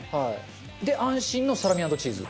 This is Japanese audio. で安心のサラミ＆チーズ。